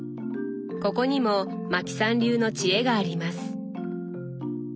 ここにもマキさん流の知恵があります。